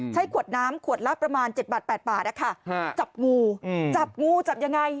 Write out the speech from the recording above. ขวดน้ำขวดละประมาณ๗บาท๘บาทจับงูจับงูจับยังไง